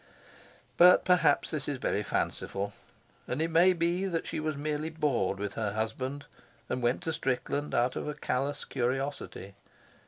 But perhaps this is very fanciful; and it may be that she was merely bored with her husband and went to Strickland out of a callous curiosity.